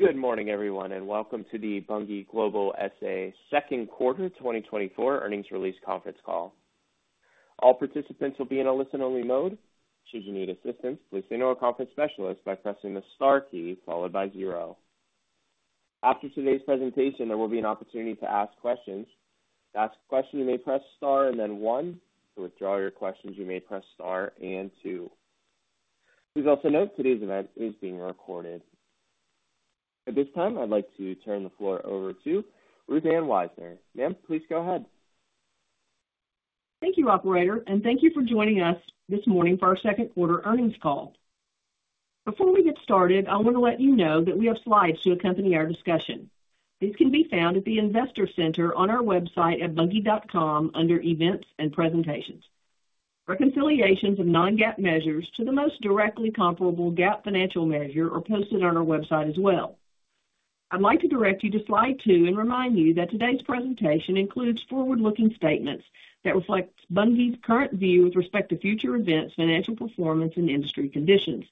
Good morning, everyone, and welcome to the Bunge Global S.A. second quarter 2024 earnings release conference call. All participants will be in a listen-only mode. Should you need assistance, please signal conference specialist by pressing the star key followed by zero. After today's presentation, there will be an opportunity to ask questions. To ask a question, you may press Star and then one. To withdraw your questions, you may press Star and two. Please also note today's event is being recorded. At this time, I'd like to turn the floor over to Ruth Ann Wisener. Ma'am, please go ahead. Thank you, operator, and thank you for joining us this morning for our second quarter earnings call. Before we get started, I want to let you know that we have slides to accompany our discussion. These can be found at the Investor Center on our website at bunge.com under Events and Presentations. Reconciliations of non-GAAP measures to the most directly comparable GAAP financial measure are posted on our website as well. I'd like to direct you to slide two and remind you that today's presentation includes forward-looking statements that reflect Bunge's current view with respect to future events, financial performance, and industry conditions.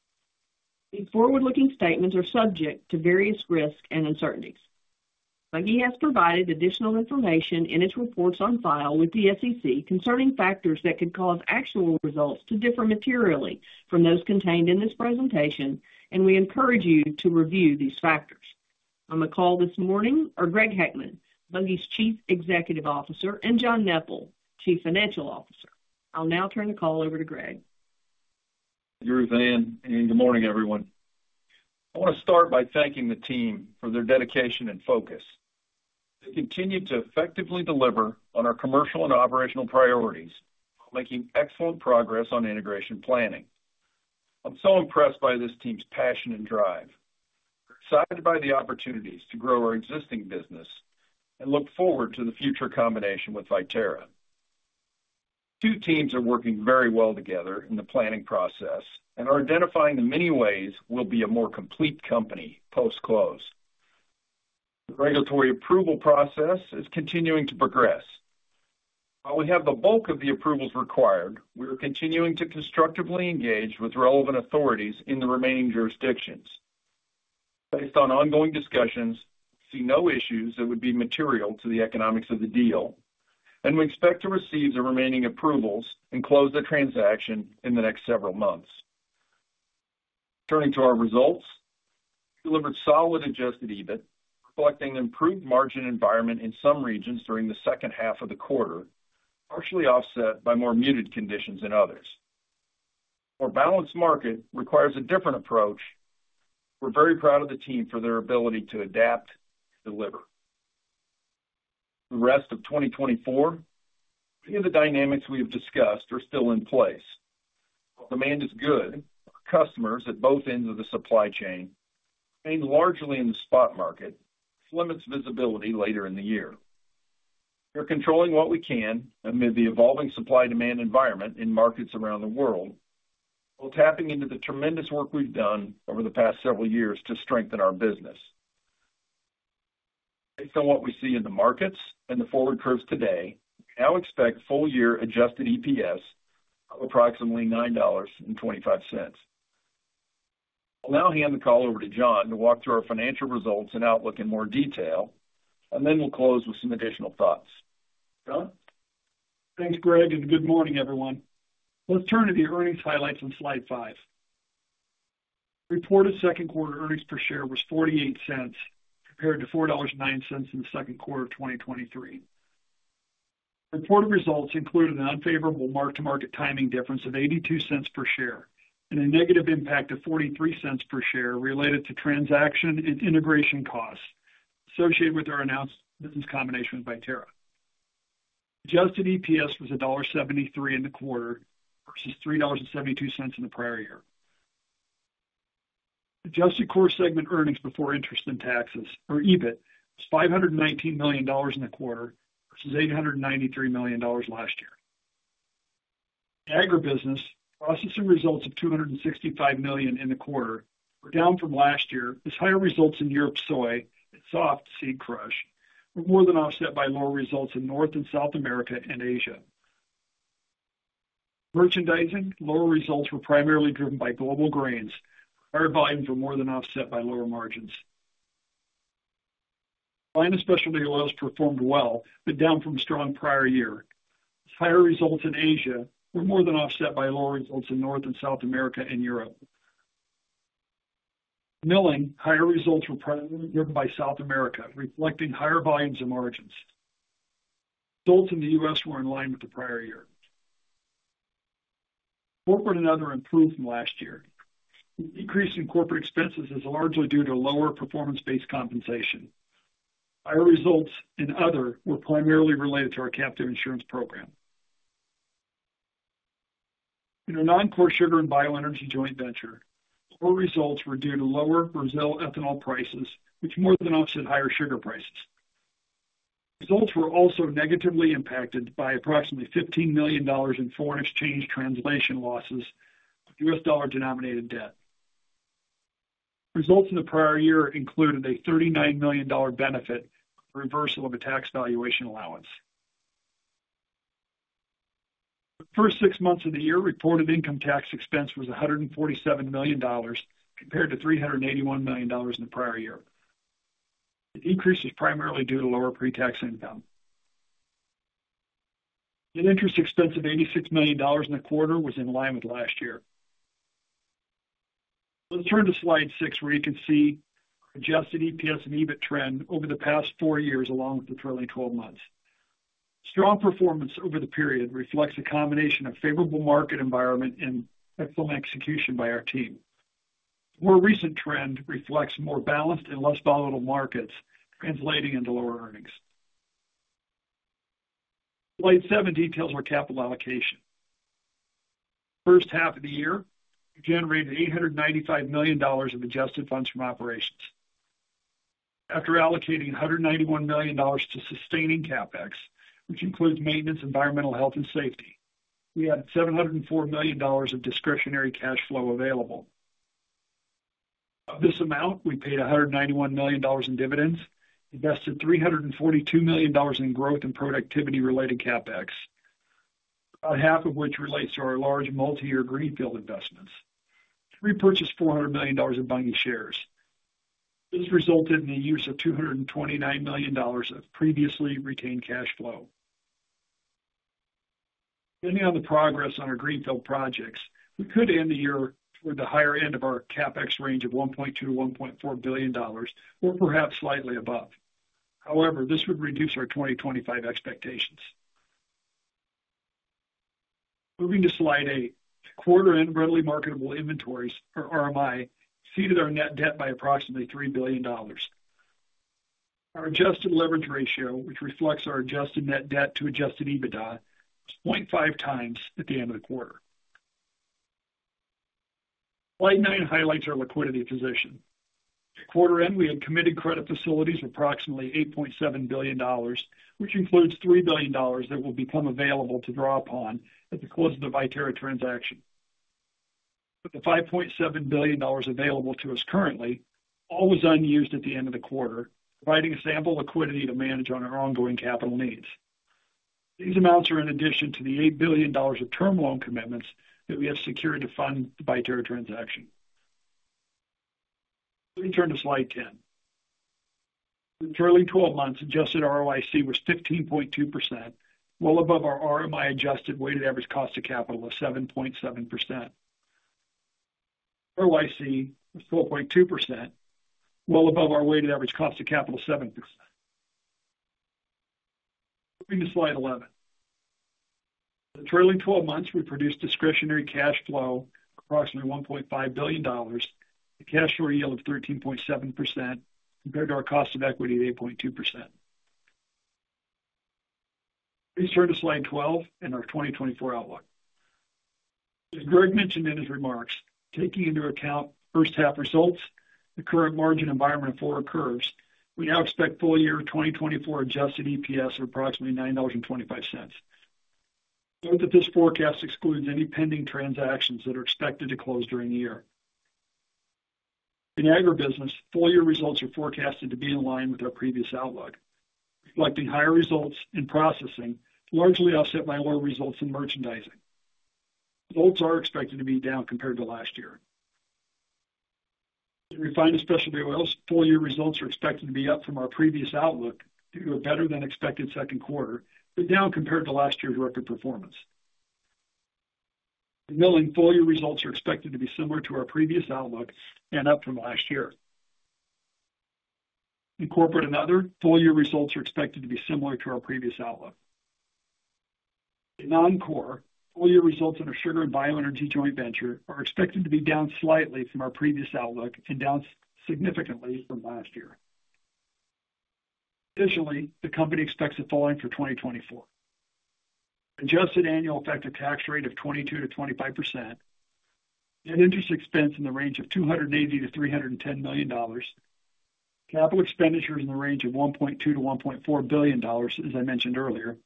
These forward-looking statements are subject to various risks and uncertainties. Bunge has provided additional information in its reports on file with the SEC concerning factors that could cause actual results to differ materially from those contained in this presentation, and we encourage you to review these factors. On the call this morning are Greg Heckman, Bunge's Chief Executive Officer, and John Neppl, Chief Financial Officer. I'll now turn the call over to Greg. Thank you, Ruth Ann, and good morning, everyone. I want to start by thanking the team for their dedication and focus. They continued to effectively deliver on our commercial and operational priorities, making excellent progress on integration planning. I'm so impressed by this team's passion and drive. We're excited by the opportunities to grow our existing business and look forward to the future combination with Viterra. The two teams are working very well together in the planning process and are identifying the many ways we'll be a more complete company post-close. The regulatory approval process is continuing to progress. While we have the bulk of the approvals required, we are continuing to constructively engage with relevant authorities in the remaining jurisdictions. Based on ongoing discussions, we see no issues that would be material to the economics of the deal, and we expect to receive the remaining approvals and close the transaction in the next several months. Turning to our results, we delivered solid Adjusted EBIT, reflecting improved margin environment in some regions during the second half of the quarter, partially offset by more muted conditions than others. Our balanced market requires a different approach. We're very proud of the team for their ability to adapt and deliver. The rest of 2024, many of the dynamics we have discussed are still in place. While demand is good, customers at both ends of the supply chain remain largely in the spot market, which limits visibility later in the year. We're controlling what we can amid the evolving supply-demand environment in markets around the world, while tapping into the tremendous work we've done over the past several years to strengthen our business. Based on what we see in the markets and the forward curves today, we now expect full-year Adjusted EPS of approximately $9.25. I'll now hand the call over to John to walk through our financial results and outlook in more detail, and then we'll close with some additional thoughts. John? Thanks, Greg, and good morning, everyone. Let's turn to the earnings highlights on slide 5. Reported second quarter earnings per share was $0.48, compared to $4.09 in the second quarter of 2023. Reported results included an unfavorable mark-to-market timing difference of $0.82 per share and a negative impact of $0.43 per share related to transaction and integration costs associated with our announced business combination with Viterra. Adjusted EPS was $1.73 in the quarter, versus $3.72 in the prior year. Adjusted core segment earnings before interest and taxes, or EBIT, was $519 million in the quarter, versus $893 million last year. Agribusiness, Processing results of $265 million in the quarter were down from last year, as higher results in Europe, soy and soft seed crush were more than offset by lower results in North and South America and Asia. Merchandising, lower results were primarily driven by Global Grains. Higher volumes were more than offset by lower margins. Refined and Specialty Oils performed well, but down from strong prior year. Higher results in Asia were more than offset by lower results in North and South America and Europe. Milling, higher results were primarily driven by South America, reflecting higher volumes and margins. Results in the U.S, were in line with the prior year. Corporate and Other improved from last year. Increase in corporate expenses is largely due to lower performance-based compensation. Higher results in other were primarily related to our captive insurance program. In our non-core Sugar and Bioenergy joint venture, core results were due to lower Brazil ethanol prices, which more than offset higher sugar prices. Results were also negatively impacted by approximately $15 million in foreign exchange translation losses with US dollar-denominated debt. Results in the prior year included a $39 million benefit, reversal of a tax valuation allowance.... For the first six months of the year, reported income tax expense was $147 million compared to $381 million in the prior year. The increase is primarily due to lower pre-tax income. Net interest expense of $86 million in the quarter was in line with last year. Let's turn to slide 6, where you can see Adjusted EPS and EBIT trend over the past 4 years, along with the trailing 12 months. Strong performance over the period reflects a combination of favorable market environment and excellent execution by our team. More recent trend reflects more balanced and less volatile markets, translating into lower earnings. Slide seven details our capital allocation. First half of the year, we generated $895 million of adjusted funds from operations. After allocating $191 million to sustaining CapEx, which includes maintenance, environmental, health, and safety, we had $704 million of discretionary cash flow available. Of this amount, we paid $191 million in dividends, invested $342 million in growth and productivity-related CapEx, about half of which relates to our large multi-year greenfield investments. Repurchased $400 million in Bunge shares. This resulted in the use of $229 million of previously retained cash flow. Depending on the progress on our greenfield projects, we could end the year toward the higher end of our CapEx range of $1.2 billion-$1.4 billion, or perhaps slightly above. However, this would reduce our 2025 expectations. Moving to slide 8. Quarter-end readily marketable inventories, or RMI, reduced our net debt by approximately $3 billion. Our adjusted leverage ratio, which reflects our adjusted net debt to adjusted EBITDA, was 0.5 times at the end of the quarter. Slide 9 highlights our liquidity position. At quarter end, we had committed credit facilities of approximately $8.7 billion, which includes $3 billion that will become available to draw upon at the close of the Viterra transaction. With the $5.7 billion available to us currently, all was unused at the end of the quarter, providing ample liquidity to manage on our ongoing capital needs. These amounts are in addition to the $8 billion of term loan commitments that we have secured to fund the Viterra transaction. Please turn to slide 10. The trailing twelve months adjusted ROIC was 15.2%, well above our RMI adjusted weighted average cost of capital of 7.7%. ROIC was 4.2%, well above our weighted average cost of capital, 7%. Moving to slide 11. The trailing twelve months, we produced discretionary cash flow of approximately $1.5 billion, a cash flow yield of 13.7% compared to our cost of equity of 8.2%. Please turn to slide 12 and our 2024 outlook. As Greg mentioned in his remarks, taking into account first half results, the current margin environment for crush, we now expect full year 2024 adjusted EPS of approximately $9.25. Note that this forecast excludes any pending transactions that are expected to close during the year. In agribusiness, full year results are forecasted to be in line with our previous outlook, reflecting higher results in processing, largely offset by lower results in merchandising. Results are expected to be down compared to last year. In Refined and Specialty Oils, full year results are expected to be up from our previous outlook due to a better-than-expected second quarter, but down compared to last year's record performance. In milling, full year results are expected to be similar to our previous outlook and up from last year. In corporate and other, full year results are expected to be similar to our previous outlook. In non-core, full year results in our sugar and bioenergy joint venture are expected to be down slightly from our previous outlook and down significantly from last year. Additionally, the company expects the following for 2024: Adjusted annual effective tax rate of 22%-25%, net interest expense in the range of $280 million-$310 million, capital expenditures in the range of $1.2 billion-$1.4 billion, as I mentioned earlier,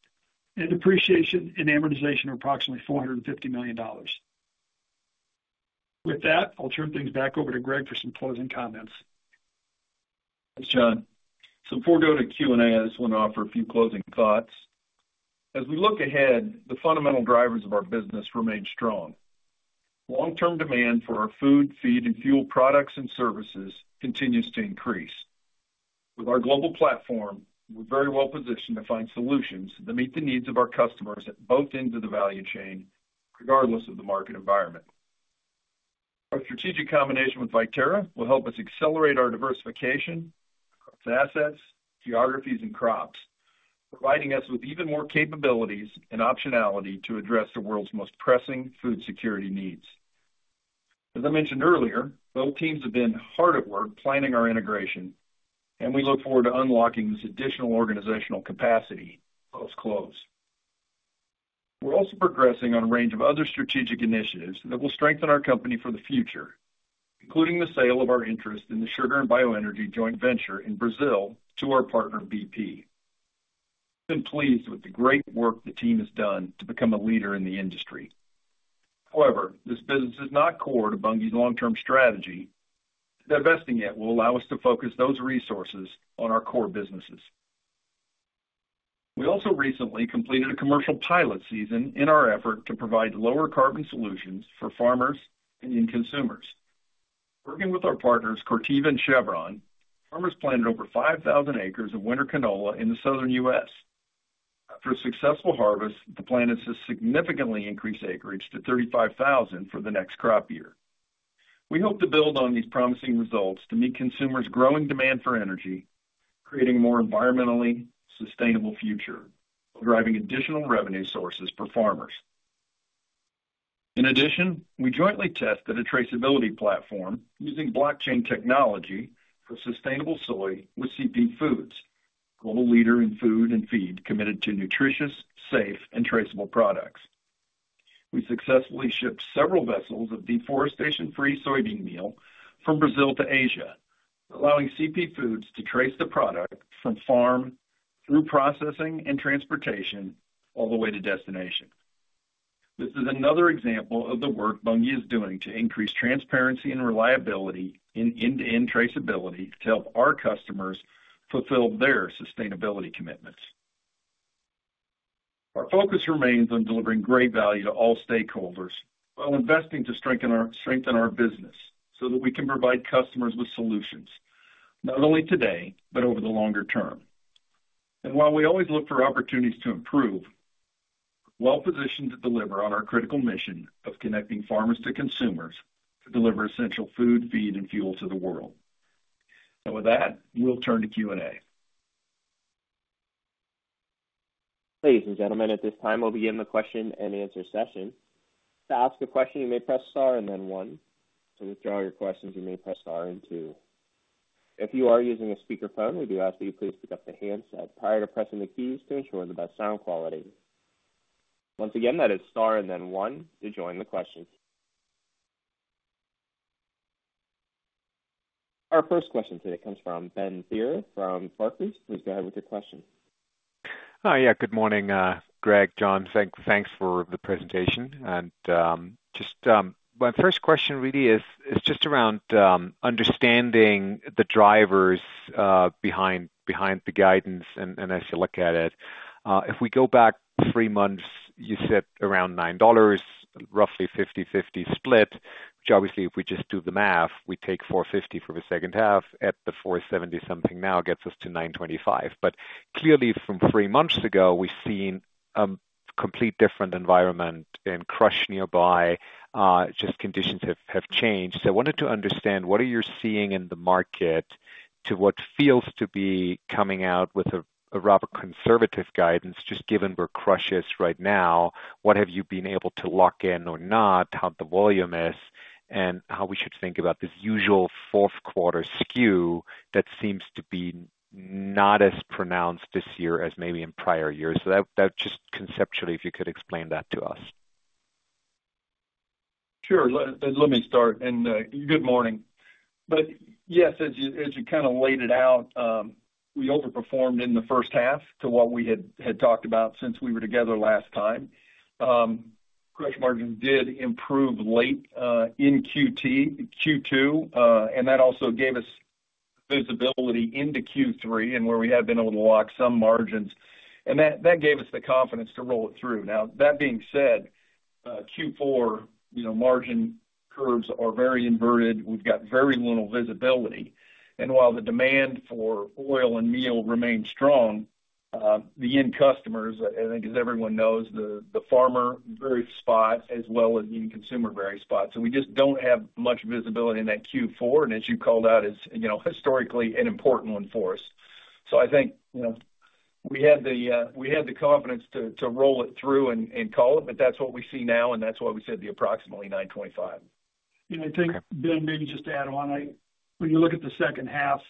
and depreciation and amortization are approximately $450 million. With that, I'll turn things back over to Greg for some closing comments. Thanks, John. So before we go to Q&A, I just want to offer a few closing thoughts. As we look ahead, the fundamental drivers of our business remain strong. Long-term demand for our food, feed, and fuel products and services continues to increase. With our global platform, we're very well positioned to find solutions that meet the needs of our customers at both ends of the value chain, regardless of the market environment. Our strategic combination with Viterra will help us accelerate our diversification across assets, geographies, and crops, providing us with even more capabilities and optionality to address the world's most pressing food security needs. As I mentioned earlier, both teams have been hard at work planning our integration, and we look forward to unlocking this additional organizational capacity post-close. We're also progressing on a range of other strategic initiatives that will strengthen our company for the future, including the sale of our interest in the sugar and bioenergy joint venture in Brazil to our partner, BP. We've been pleased with the great work the team has done to become a leader in the industry.... However, this business is not core to Bunge's long-term strategy. Divesting it will allow us to focus those resources on our core businesses. We also recently completed a commercial pilot season in our effort to provide lower carbon solutions for farmers and consumers. Working with our partners, Corteva and Chevron, farmers planted over 5,000 acres of winter canola in the Southern US. After a successful harvest, the plan is to significantly increase acreage to 35,000 for the next crop year. We hope to build on these promising results to meet consumers' growing demand for energy, creating a more environmentally sustainable future, while driving additional revenue sources for farmers. In addition, we jointly tested a traceability platform using blockchain technology for sustainable soy with CP Foods, a global leader in food and feed, committed to nutritious, safe, and traceable products. We successfully shipped several vessels of deforestation-free soybean meal from Brazil to Asia, allowing CP Foods to trace the product from farm through processing and transportation all the way to destination. This is another example of the work Bunge is doing to increase transparency and reliability in end-to-end traceability to help our customers fulfill their sustainability commitments. Our focus remains on delivering great value to all stakeholders while investing to strengthen our, strengthen our business so that we can provide customers with solutions, not only today, but over the longer term. While we always look for opportunities to improve, we're well-positioned to deliver on our critical mission of connecting farmers to consumers to deliver essential food, feed, and fuel to the world. With that, we'll turn to Q&A. Ladies and gentlemen, at this time, we'll begin the question-and-answer session. To ask a question, you may press star and then one. To withdraw your questions, you may press star and two. If you are using a speakerphone, we do ask that you please pick up the handset prior to pressing the keys to ensure the best sound quality. Once again, that is star and then one to join the questions. Our first question today comes from Ben Theurer from Barclays. Please go ahead with your question. Hi. Yeah, good morning, Greg, John. Thanks for the presentation. Just my first question really is just around understanding the drivers behind the guidance and as you look at it. If we go back three months, you said around $9, roughly 50/50 split, which obviously, if we just do the math, we take $4.50 from the second half at the $4.70-something now gets us to $9.25. But clearly, from three months ago, we've seen complete different environment and crush nearby just conditions have changed. So I wanted to understand, what are you seeing in the market to what feels to be coming out with a rather conservative guidance, just given where crush is right now, what have you been able to lock in or not, how the volume is, and how we should think about this usual fourth quarter skew that seems to be not as pronounced this year as maybe in prior years? So that just conceptually, if you could explain that to us. Sure. Let me start, and good morning. But yes, as you kind of laid it out, we overperformed in the first half to what we had talked about since we were together last time. Crush margins did improve late in Q2, and that also gave us visibility into Q3 and where we have been able to lock some margins, and that gave us the confidence to roll it through. Now, that being said, Q4, you know, margin curves are very inverted. We've got very little visibility. And while the demand for oil and meal remains strong, the end customers, I think as everyone knows, the farmer varies spot as well as the consumer varies spot. So we just don't have much visibility in that Q4, and as you called out, is, you know, historically an important one for us. So I think, you know, we had the confidence to roll it through and call it, but that's what we see now, and that's why we said approximately $925. I think, Ben, maybe just to add on, when you look at the second half,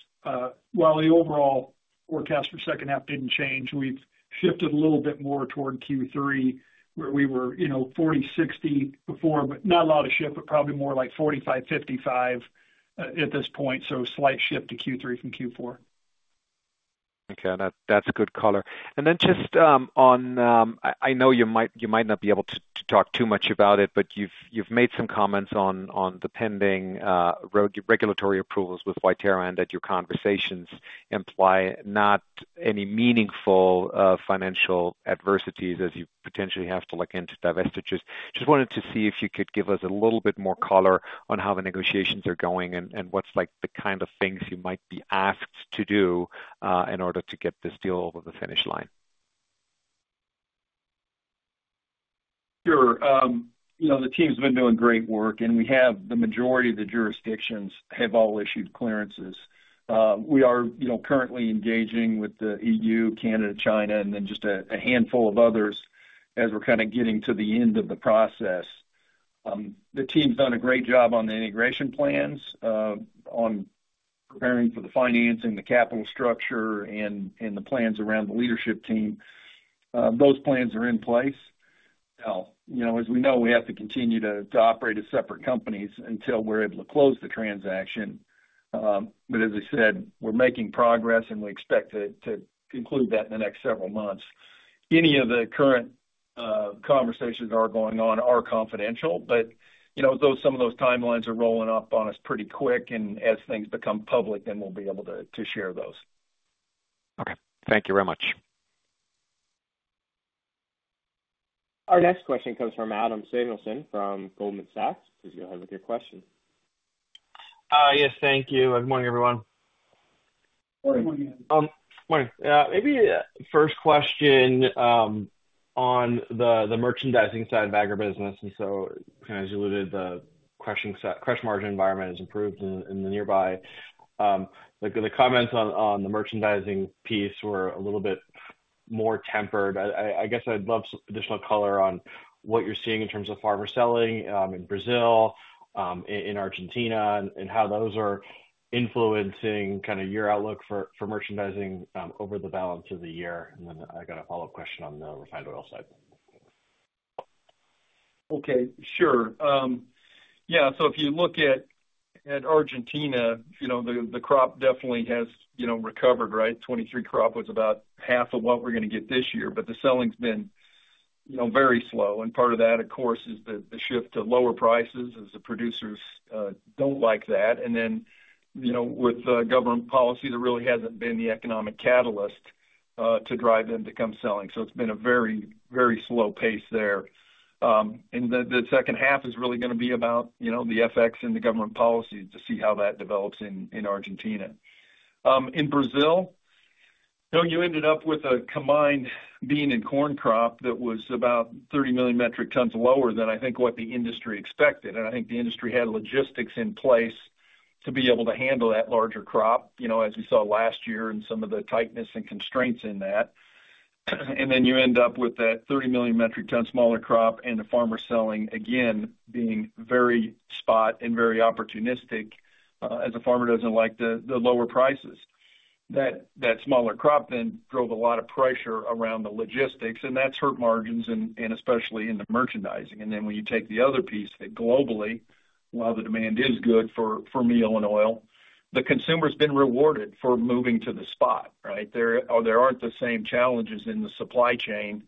while the overall forecast for second half didn't change, we've shifted a little bit more toward Q3, where we were, you know, 40-60 before, but not a lot of shift, but probably more like 45-55 at this point. So slight shift to Q3 from Q4. Okay. That's a good color. And then just on, I know you might not be able to talk too much about it, but you've made some comments on the pending regulatory approvals with Viterra, and that your conversations imply not any meaningful financial adversities as you potentially have to look into divestitures. Just wanted to see if you could give us a little bit more color on how the negotiations are going and what's like the kind of things you might be asked to do in order to get this deal over the finish line. Sure. You know, the team's been doing great work, and we have the majority of the jurisdictions have all issued clearances. We are, you know, currently engaging with the EU, Canada, China, and then just a handful of others as we're kind of getting to the end of the process. The team's done a great job on the integration plans, on preparing for the financing, the capital structure and the plans around the leadership team. Those plans are in place. Now, you know, as we know, we have to continue to operate as separate companies until we're able to close the transaction. But as I said, we're making progress, and we expect to conclude that in the next several months. Any of the current conversations that are going on are confidential, but, you know, those, some of those timelines are rolling up on us pretty quick, and as things become public, then we'll be able to, to share those. Okay. Thank you very much. Our next question comes from Adam Samuelson from Goldman Sachs. Please go ahead with your question. Yes, thank you. Good morning, everyone. Good morning, Adam. Morning. Maybe first question on the merchandising side of agribusiness, and so kind of as you alluded, the soy crush margin environment has improved in the nearby. Like, the comments on the merchandising piece were a little bit more tempered. I guess I'd love additional color on what you're seeing in terms of farmer selling in Brazil in Argentina, and how those are influencing kind of your outlook for merchandising over the balance of the year. And then I got a follow-up question on the refined oil side. Okay, sure. Yeah, so if you look at, at Argentina, you know, the, the crop definitely has, you know, recovered, right? 2023 crop was about half of what we're going to get this year, but the selling's been, you know, very slow. And part of that, of course, is the, the shift to lower prices as the producers don't like that. And then, you know, with the government policy, there really hasn't been the economic catalyst to drive them to come selling. So it's been a very, very slow pace there. And the, the second half is really going to be about, you know, the FX and the government policy to see how that develops in, in Argentina. In Brazil, you know, you ended up with a combined bean and corn crop that was about 30 million metric tons lower than I think what the industry expected. I think the industry had logistics in place to be able to handle that larger crop, you know, as you saw last year and some of the tightness and constraints in that. Then you end up with that 30 million metric ton smaller crop and the farmer selling, again, being very spot and very opportunistic, as a farmer doesn't like the lower prices. That smaller crop then drove a lot of pressure around the logistics, and that's hurt margins and especially in the merchandising. Then when you take the other piece, that globally, while the demand is good for meal and oil, the consumer's been rewarded for moving to the spot, right? There, there aren't the same challenges in the supply chain,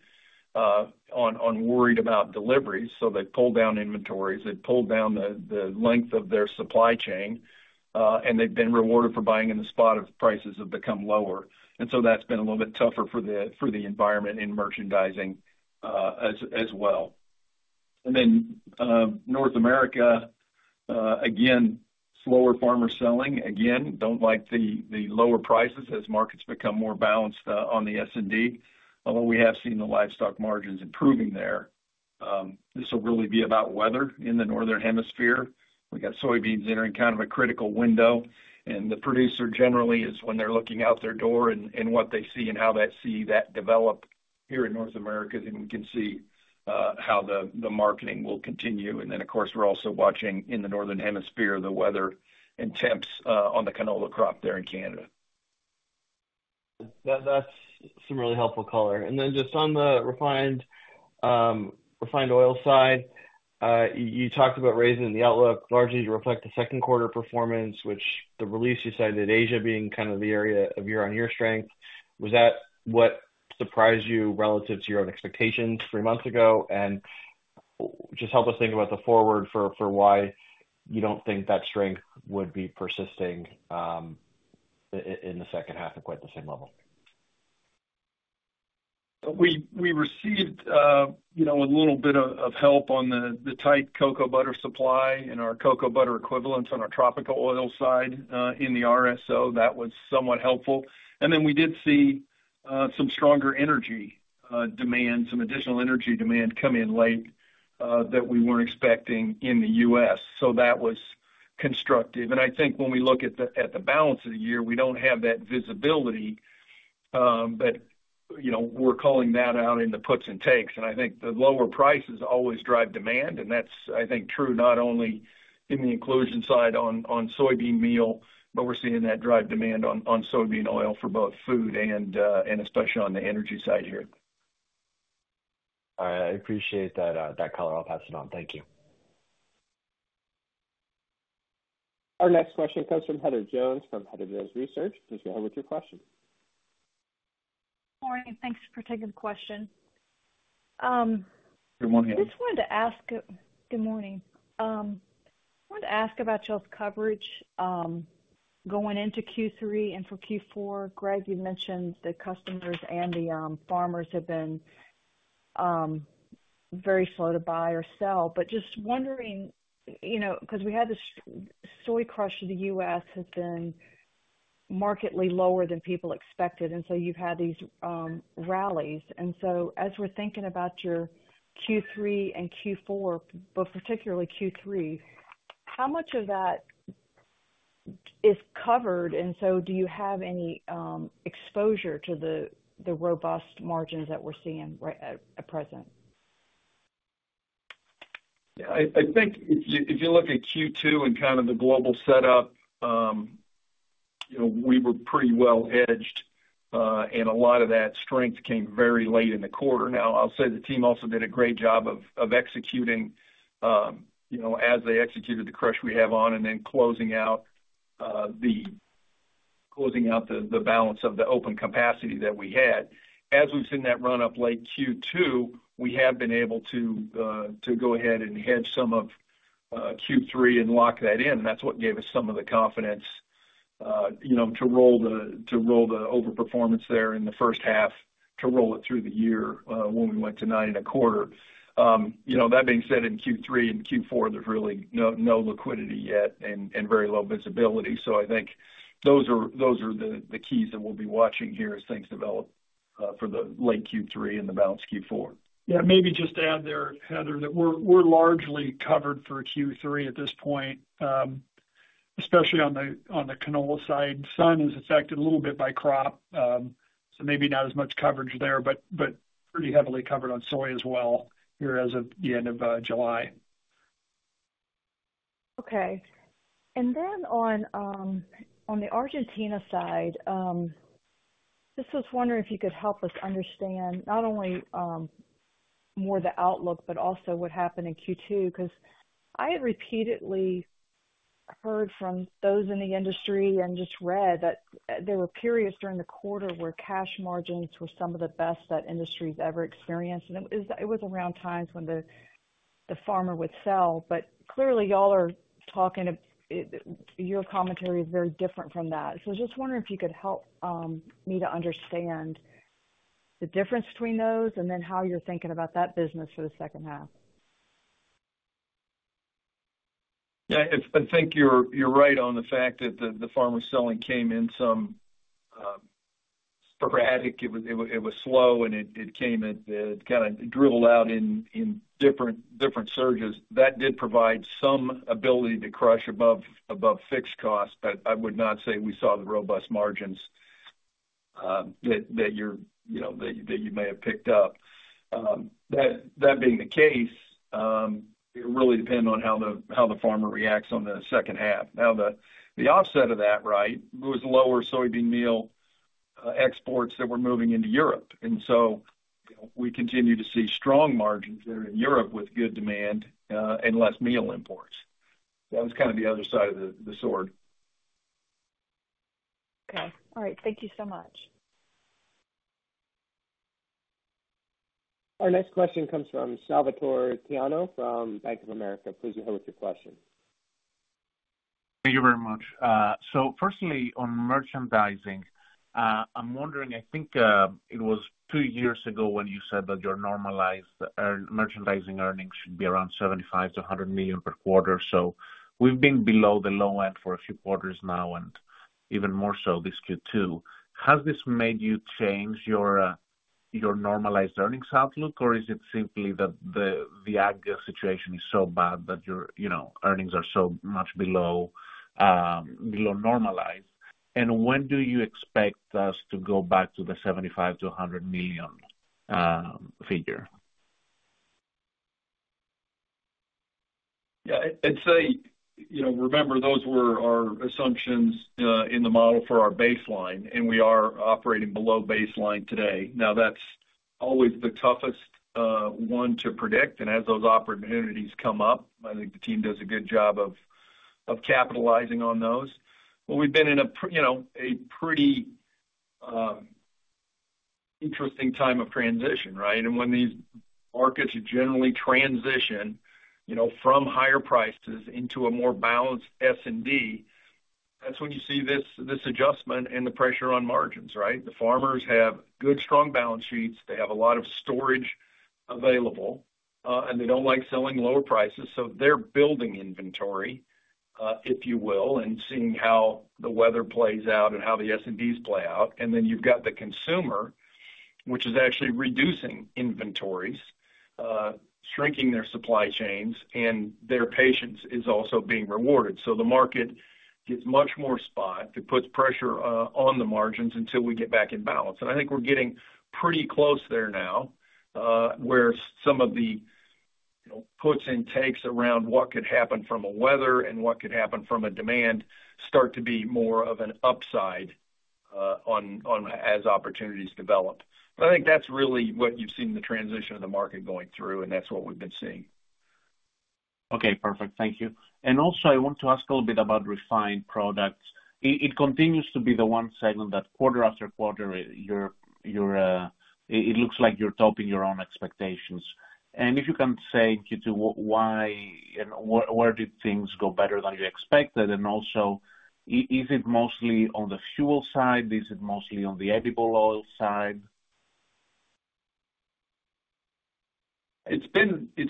on, on worried about deliveries, so they pulled down inventories, they pulled down the, the length of their supply chain, and they've been rewarded for buying in the spot of prices have become lower. And so that's been a little bit tougher for the, for the environment in merchandising, as, as well. And then, North America, again, slower farmer selling, again, don't like the, the lower prices as markets become more balanced, on the S&D. Although we have seen the livestock margins improving there, this will really be about weather in the northern hemisphere. We got soybeans entering kind of a critical window, and the producer generally is when they're looking out their door and what they see and how they see that develop here in North America, then we can see how the marketing will continue. And then, of course, we're also watching in the northern hemisphere, the weather and temps on the canola crop there in Canada. That, that's some really helpful color. And then just on the refined, refined oil side, you talked about raising the outlook largely to reflect the second quarter performance, which the release, you cited Asia being kind of the area of year-on-year strength. Was that what surprised you relative to your own expectations three months ago? And just help us think about the forward for why you don't think that strength would be persisting, in the second half of quite the same level. We received, you know, a little bit of help on the tight cocoa butter supply and our cocoa butter equivalents on our tropical oil side in the RSO. That was somewhat helpful. And then we did see some stronger energy demand, some additional energy demand come in late that we weren't expecting in the U.S. So that was constructive. And I think when we look at the balance of the year, we don't have that visibility, but, you know, we're calling that out in the puts and takes. And I think the lower prices always drive demand, and that's, I think, true not only in the inclusion side on soybean meal, but we're seeing that drive demand on soybean oil for both food and especially on the energy side here. All right. I appreciate that, that color. I'll pass it on. Thank you. Our next question comes from Heather Jones from Heather Jones Research. Please go ahead with your question. Morning. Thanks for taking the question. Good morning. I just wanted to ask. Good morning. I wanted to ask about y'all's coverage going into Q3 and for Q4. Greg, you mentioned the customers and the farmers have been very slow to buy or sell. But just wondering, you know, because we had this soy crush in the U.S. has been markedly lower than people expected, and so you've had these rallies. And so as we're thinking about your Q3 and Q4, but particularly Q3, how much of that is covered? And so do you have any exposure to the robust margins that we're seeing right at present? Yeah, I think if you look at Q2 and kind of the global setup, you know, we were pretty well hedged, and a lot of that strength came very late in the quarter. Now, I'll say the team also did a great job of executing, you know, as they executed the crush we have on, and then closing out the balance of the open capacity that we had. As we've seen that run up late Q2, we have been able to go ahead and hedge some of Q3 and lock that in. That's what gave us some of the confidence, you know, to roll the overperformance there in the first half, to roll it through the year, when we went to $9.25. You know, that being said, in Q3 and Q4, there's really no liquidity yet and very low visibility. So I think those are the keys that we'll be watching here as things develop for the late Q3 and the balance of Q4. Yeah, maybe just to add there, Heather, that we're largely covered for Q3 at this point, especially on the canola side. Sun is affected a little bit by crop, so maybe not as much coverage there, but pretty heavily covered on soy as well here as of the end of July. Okay. And then on the Argentina side, just was wondering if you could help us understand not only more the outlook, but also what happened in Q2, because I had repeatedly heard from those in the industry and just read that there were periods during the quarter where cash margins were some of the best that industry's ever experienced. And it was around times when the farmer would sell. But clearly, y'all are talking, your commentary is very different from that. So I was just wondering if you could help me to understand the difference between those and then how you're thinking about that business for the second half. Yeah, I think you're right on the fact that the farmer selling came in somewhat sporadic. It was slow, and it came at the. It kind of dribbled out in different surges. That did provide some ability to crush above fixed costs, but I would not say we saw the robust margins that you're, you know, that you may have picked up. That being the case, it really depend on how the farmer reacts on the second half. Now, the offset of that, right, was lower soybean meal exports that were moving into Europe. And so, you know, we continue to see strong margins there in Europe with good demand and less meal imports. That was kind of the other side of the sword. Okay. All right. Thank you so much. Our next question comes from Salvator Tiano from Bank of America. Please go ahead with your question. Thank you very much. So firstly, on merchandising, I'm wondering, I think, it was two years ago when you said that your normalized merchandising earnings should be around $75 million-$100 million per quarter. So we've been below the low end for a few quarters now, and even more so this Q2. Has this made you change your, your normalized earnings outlook, or is it simply that the, the ag situation is so bad that your, you know, earnings are so much below, below normalized? And when do you expect us to go back to the $75 million-$100 million figure? Yeah, I'd say, you know, remember, those were our assumptions in the model for our baseline, and we are operating below baseline today. Now, that's always the toughest one to predict, and as those opportunities come up, I think the team does a good job of capitalizing on those. But we've been in a you know, a pretty interesting time of transition, right? And when these markets generally transition, you know, from higher prices into a more balanced S&D, that's when you see this adjustment and the pressure on margins, right? The farmers have good, strong balance sheets. They have a lot of storage available, and they don't like selling lower prices, so they're building inventory, if you will, and seeing how the weather plays out and how the S&Ds play out. You've got the consumer, which is actually reducing inventories, shrinking their supply chains, and their patience is also being rewarded. The market gets much more spot. It puts pressure on the margins until we get back in balance. I think we're getting pretty close there now, where some of the, you know, puts and takes around what could happen from a weather and what could happen from a demand start to be more of an upside on as opportunities develop. I think that's really what you've seen the transition of the market going through, and that's what we've been seeing. Okay, perfect. Thank you. And also, I want to ask a little bit about refined products. It continues to be the one segment that quarter after quarter, it looks like you're topping your own expectations. And if you can say Q2, why and where, where did things go better than you expected? And also, is it mostly on the fuel side? Is it mostly on the edible oil side? It's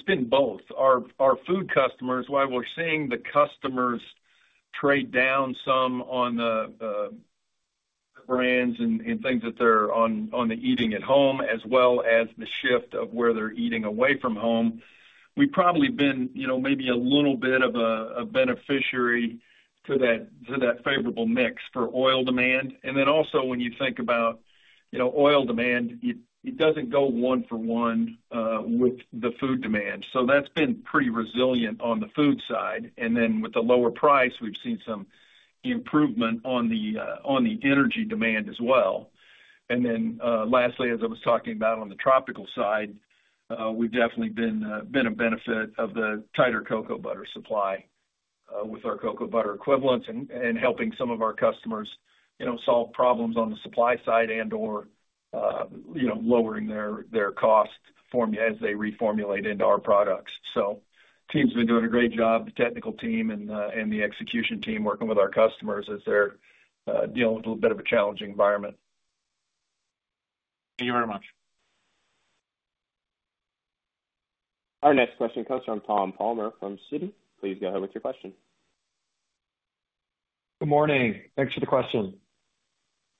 been both. Our food customers, while we're seeing the customers trade down some on the brands and things that they're on the eating at home, as well as the shift of where they're eating away from home, we've probably been, you know, maybe a little bit of a beneficiary to that favorable mix for oil demand. And then also, when you think about, you know, oil demand, it doesn't go one for one with the food demand. So that's been pretty resilient on the food side. And then with the lower price, we've seen some improvement on the on the energy demand as well. Lastly, as I was talking about on the tropical side, we've definitely been a benefit of the tighter Cocoa butter supply, with our Cocoa butter equivalents and helping some of our customers, you know, solve problems on the supply side and, or, you know, lowering their costs for me as they reformulate into our products. So team's been doing a great job, the technical team and the execution team, working with our customers as they're dealing with a little bit of a challenging environment. Thank you very much. Our next question comes from Tom Palmer from Citi. Please go ahead with your question. Good morning. Thanks for the question.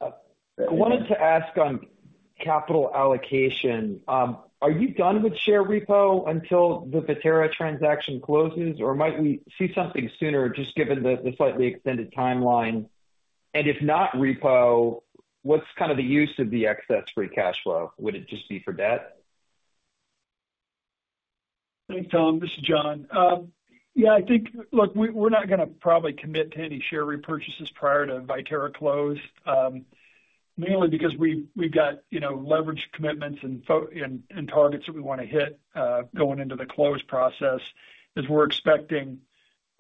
I wanted to ask on capital allocation, are you done with share repo until the Viterra transaction closes, or might we see something sooner, just given the slightly extended timeline? And if not repo, what's kind of the use of the excess free cash flow? Would it just be for debt? Thanks, Tom. This is John. Yeah, I think, look, we're not gonna probably commit to any share repurchases prior to Viterra close, mainly because we've got, you know, leverage commitments and targets that we wanna hit, going into the close process, as we're expecting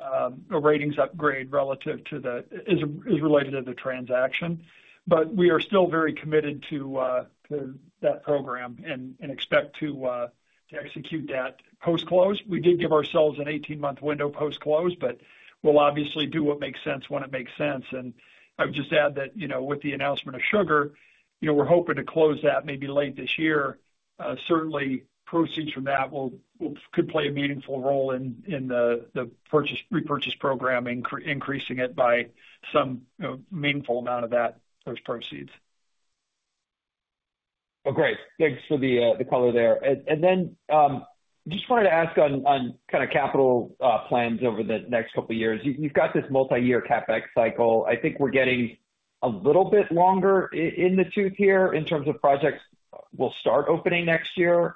a ratings upgrade relative to the—as related to the transaction. But we are still very committed to that program and expect to execute that post-close. We did give ourselves an 18-month window post-close, but we'll obviously do what makes sense when it makes sense. And I would just add that, you know, with the announcement of Sugar, you know, we're hoping to close that maybe late this year. Certainly, proceeds from that could play a meaningful role in the purchase repurchase program, increasing it by some, you know, meaningful amount of those proceeds. Well, great. Thanks for the color there. And then, just wanted to ask on kind of capital plans over the next couple of years. You've got this multi-year CapEx cycle. I think we're getting a little bit longer in the tooth here in terms of projects we'll start opening next year.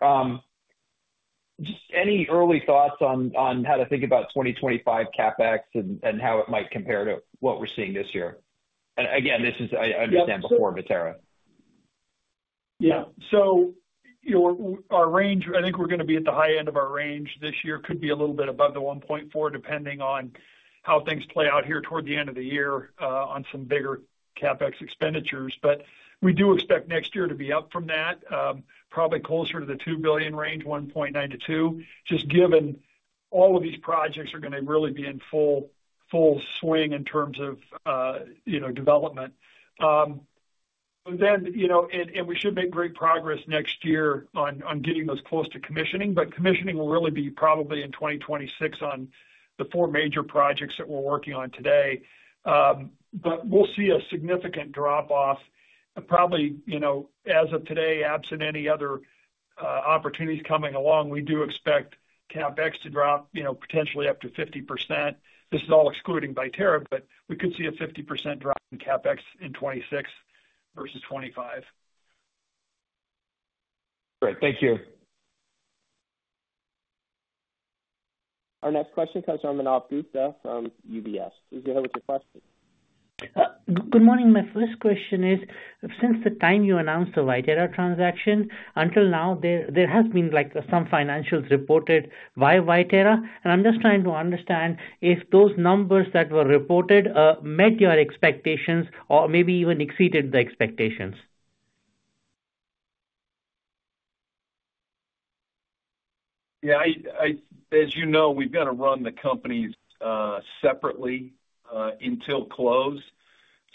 Just any early thoughts on how to think about 2025 CapEx and how it might compare to what we're seeing this year? And again, this is, I understand, before Viterra. Yeah. So, you know, our range, I think we're gonna be at the high end of our range this year. Could be a little bit above the $1.4 billion, depending on how things play out here toward the end of the year on some bigger CapEx expenditures. But we do expect next year to be up from that, probably closer to the $2 billion range, $1.9-$2 billion, just given all of these projects are gonna really be in full, full swing in terms of, you know, development. Then, you know, and we should make great progress next year on getting those close to commissioning, but commissioning will really be probably in 2026 on the four major projects that we're working on today. We'll see a significant drop-off, and probably, you know, as of today, absent any other opportunities coming along, we do expect CapEx to drop, you know, potentially up to 50%. This is all excluding Viterra, but we could see a 50% drop in CapEx in 2026 versus 2025. Great. Thank you. Our next question comes from Manav Gupta from UBS. Please go ahead with your question. Good morning. My first question is, since the time you announced the Viterra transaction, until now, there has been, like, some financials reported by Viterra, and I'm just trying to understand if those numbers that were reported met your expectations or maybe even exceeded the expectations? Yeah, as you know, we've got to run the companies separately until close.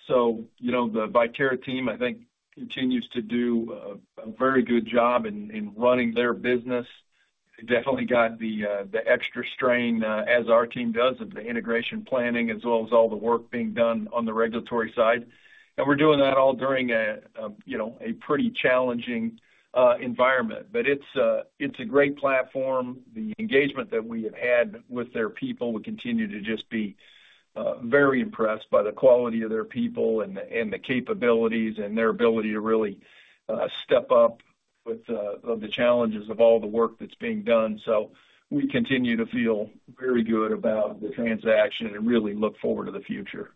So, you know, the Viterra team, I think, continues to do a very good job in running their business. They definitely got the extra strain as our team does, of the integration planning, as well as all the work being done on the regulatory side. And we're doing that all during a, you know, a pretty challenging environment. But it's a great platform. The engagement that we have had with their people, we continue to just be very impressed by the quality of their people and the capabilities and their ability to really step up with of the challenges of all the work that's being done. We continue to feel very good about the transaction and really look forward to the future.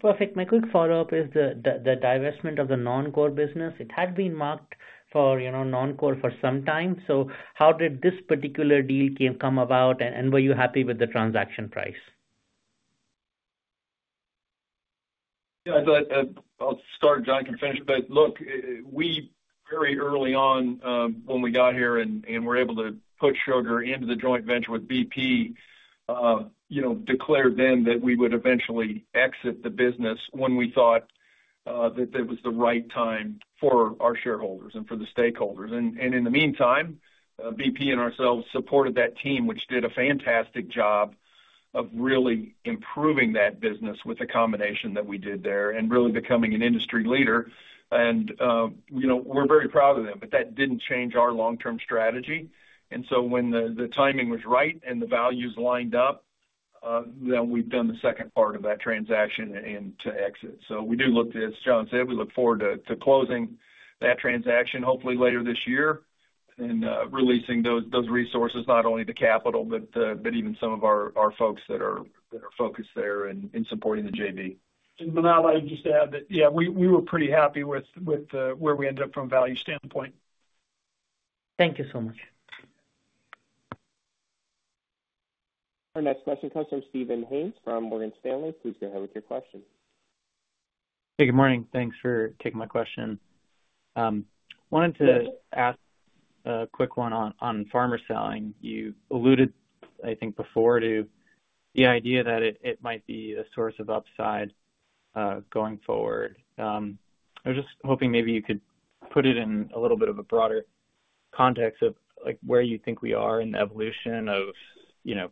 Perfect. My quick follow-up is the divestment of the non-core business. It had been marked for, you know, non-core for some time, so how did this particular deal come about, and were you happy with the transaction price? Yeah, so I'll start, John can finish. But look, we very early on, when we got here and were able to put sugar into the joint venture with BP, you know, declared then that we would eventually exit the business when we thought that that was the right time for our shareholders and for the stakeholders. And in the meantime, BP and ourselves supported that team, which did a fantastic job of really improving that business with the combination that we did there and really becoming an industry leader. And, you know, we're very proud of them, but that didn't change our long-term strategy. And so when the timing was right and the values lined up, then we've done the second part of that transaction and to exit. So we do look to... As John said, we look forward to closing that transaction, hopefully later this year... and releasing those resources not only to capital, but even some of our folks that are focused there in supporting the JV. Manav, I would just add that, yeah, we were pretty happy with where we ended up from a value standpoint. Thank you so much. Our next question comes from Steven Haynes from Morgan Stanley. Please go ahead with your question. Hey, good morning. Thanks for taking my question. Wanted to ask a quick one on, on farmer selling. You alluded, I think, before, to the idea that it, it might be a source of upside, going forward. I was just hoping maybe you could put it in a little bit of a broader context of, like, where you think we are in the evolution of, you know,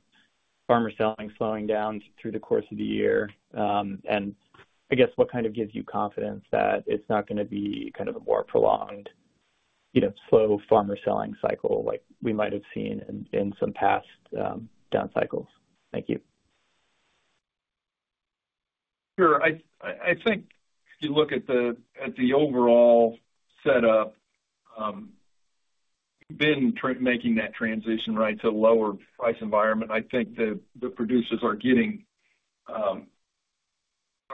farmer selling slowing down through the course of the year. And I guess, what kind of gives you confidence that it's not gonna be kind of a more prolonged, you know, slow farmer selling cycle like we might have seen in, in some past, down cycles? Thank you. Sure. I think if you look at the overall setup, making that transition, right, to a lower price environment, I think the producers are getting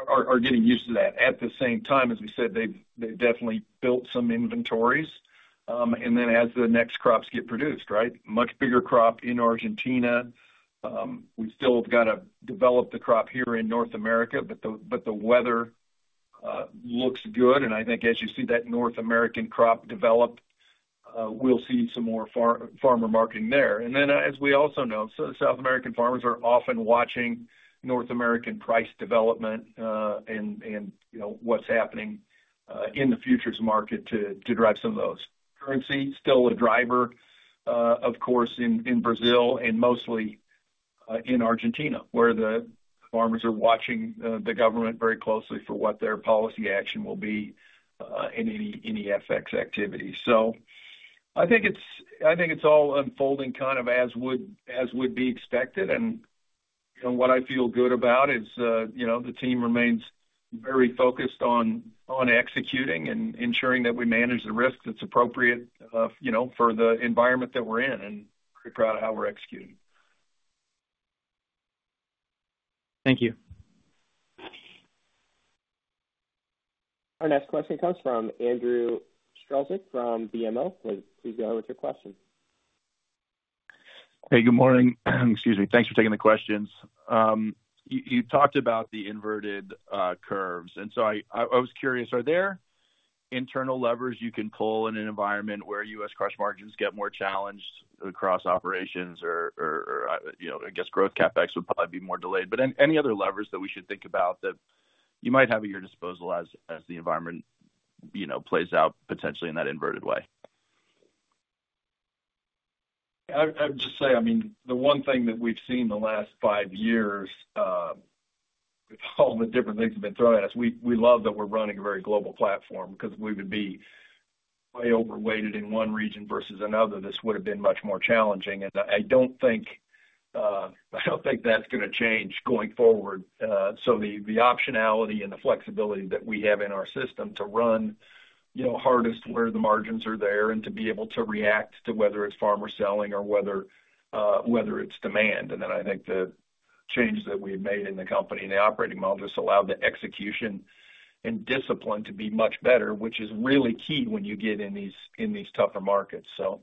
used to that. At the same time, as we said, they've definitely built some inventories. And then as the next crops get produced, right, much bigger crop in Argentina. We've still got to develop the crop here in North America, but the weather looks good, and I think as you see that North American crop develop, we'll see some more farmer marketing there. And then, as we also know, so South American farmers are often watching North American price development, and, you know, what's happening in the futures market to drive some of those. Currency, still a driver, of course, in Brazil and mostly in Argentina, where the farmers are watching the government very closely for what their policy action will be, in any FX activity. So I think it's all unfolding kind of as would be expected. And, you know, what I feel good about is, you know, the team remains very focused on executing and ensuring that we manage the risks that's appropriate, you know, for the environment that we're in, and pretty proud of how we're executing. Thank you. Our next question comes from Andrew Strelzik from BMO. Please go ahead with your question. Hey, good morning. Excuse me. Thanks for taking the questions. You talked about the inverted curves, and so I was curious, are there internal levers you can pull in an environment where U.S. crush margins get more challenged across operations or, you know, I guess growth CapEx would probably be more delayed. But any other levers that we should think about that you might have at your disposal as the environment, you know, plays out potentially in that inverted way? I'd just say, I mean, the one thing that we've seen in the last five years, with all the different things have been thrown at us, we love that we're running a very global platform because if we would be way overweighted in one region versus another, this would have been much more challenging. And I don't think, I don't think that's gonna change going forward. So the optionality and the flexibility that we have in our system to run, you know, hardest where the margins are there and to be able to react to whether it's farmer selling or whether, whether it's demand. And then I think the change that we've made in the company and the operating model just allowed the execution and discipline to be much better, which is really key when you get in these, in these tougher markets. So,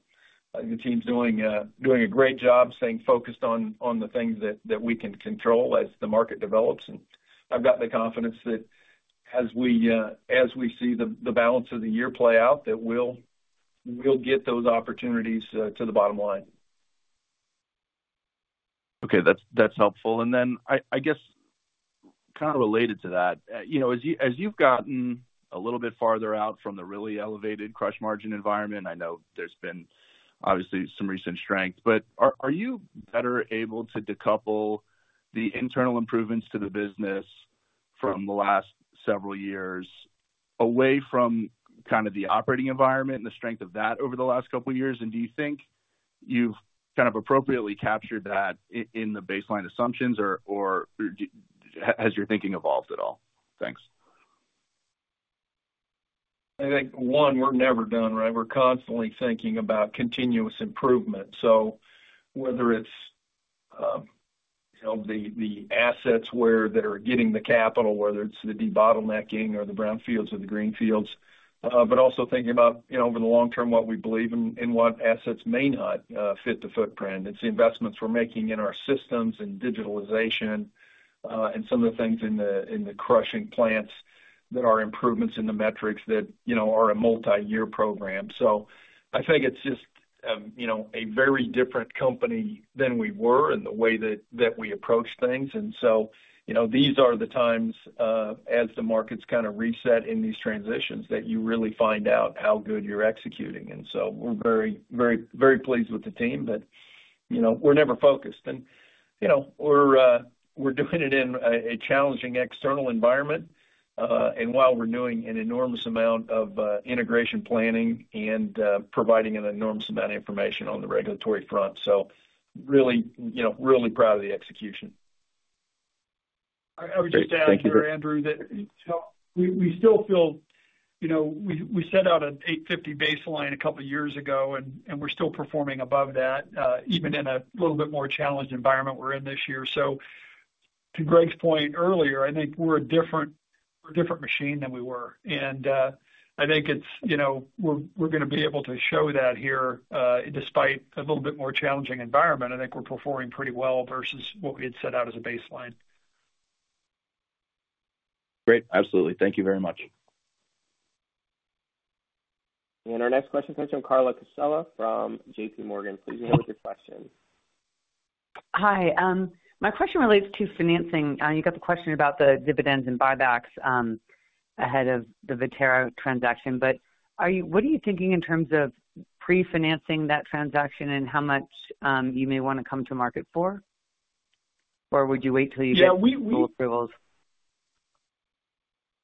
the team's doing a great job staying focused on the things that we can control as the market develops. And I've got the confidence that as we see the balance of the year play out, that we'll get those opportunities to the bottom line. Okay, that's helpful. And then, I guess, kind of related to that, you know, as you've gotten a little bit farther out from the really elevated crush margin environment, I know there's been obviously some recent strength, but are you better able to decouple the internal improvements to the business from the last several years away from kind of the operating environment and the strength of that over the last couple of years? And do you think you've kind of appropriately captured that in the baseline assumptions or has your thinking evolved at all? Thanks. I think, one, we're never done, right? We're constantly thinking about continuous improvement. So whether it's you know, the assets where they're getting the capital, whether it's the debottlenecking or the brownfields or the greenfields, but also thinking about you know, over the long term, what we believe in what assets may not fit the footprint. It's the investments we're making in our systems and digitalization, and some of the things in the crushing plants that are improvements in the metrics that you know, are a multi-year program. So I think it's just you know, a very different company than we were in the way that we approach things. And so you know, these are the times as the markets kind of reset in these transitions, that you really find out how good you're executing. So we're very, very, very pleased with the team, but, you know, we're never focused. And, you know, we're doing it in a challenging external environment, and while we're doing an enormous amount of integration planning and providing an enormous amount of information on the regulatory front. So really, you know, really proud of the execution. I would just add there, Andrew, that, so we still feel, you know, we set out an $850 baseline a couple of years ago, and we're still performing above that, even in a little bit more challenged environment we're in this year. So to Greg's point earlier, I think we're a different machine than we were, and I think it's, you know, we're gonna be able to show that here, despite a little bit more challenging environment. I think we're performing pretty well versus what we had set out as a baseline. Great! Absolutely. Thank you very much. Our next question comes from Carla Casella from JPMorgan. Please go ahead with your question. Hi. My question relates to financing. You got the question about the dividends and buybacks ahead of the Viterra transaction, but are you-- what are you thinking in terms of pre-financing that transaction and how much you may wanna come to market for? Or would you wait till you get full approvals?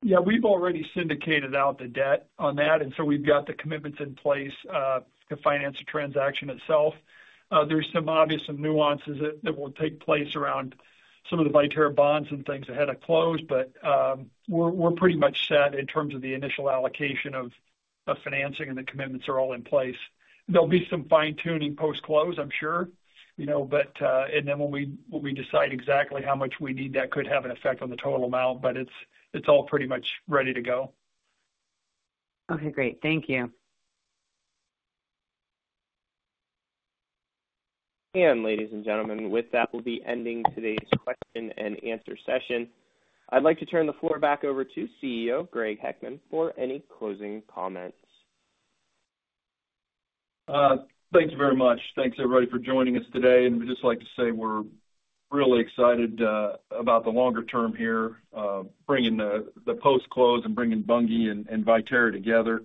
Yeah, we've already syndicated out the debt on that, and so we've got the commitments in place to finance the transaction itself. There's some obvious nuances that will take place around some of the Viterra bonds and things ahead of close, but we're pretty much set in terms of the initial allocation of financing, and the commitments are all in place. There'll be some fine-tuning post-close, I'm sure, you know, but... And then when we decide exactly how much we need, that could have an effect on the total amount, but it's all pretty much ready to go. Okay, great. Thank you. Ladies and gentlemen, with that, we'll be ending today's question and answer session. I'd like to turn the floor back over to CEO Greg Heckman for any closing comments. Thank you very much. Thanks, everybody, for joining us today. We'd just like to say we're really excited about the longer term here, bringing the post-close and bringing Bunge and Viterra together.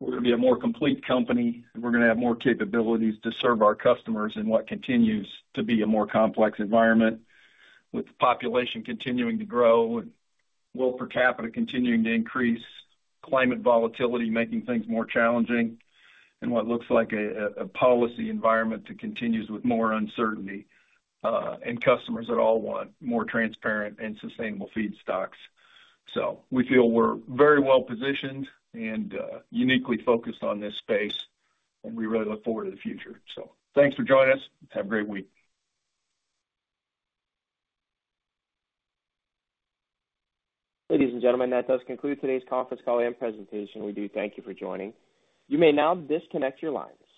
We're gonna be a more complete company. We're gonna have more capabilities to serve our customers in what continues to be a more complex environment, with the population continuing to grow and wealth per capita continuing to increase, climate volatility making things more challenging, and what looks like a policy environment that continues with more uncertainty, and customers that all want more transparent and sustainable feedstocks. We feel we're very well positioned and uniquely focused on this space, and we really look forward to the future. Thanks for joining us. Have a great week. Ladies and gentlemen, that does conclude today's conference call and presentation. We do thank you for joining. You may now disconnect your lines.